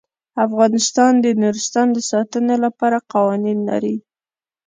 افغانستان د نورستان د ساتنې لپاره قوانین لري.